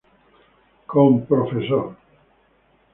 Con prof.